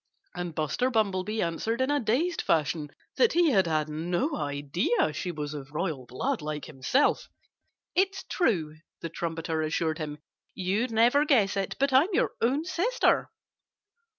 And Buster Bumblebee answered in a dazed fashion that he had had no idea she was of royal blood, like himself. "It's true," the trumpeter assured him. "You'd never guess it; but I'm your own sister."